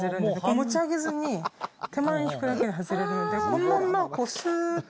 持ち上げずに手前に引くだけで外れるのでこのまんまスッと。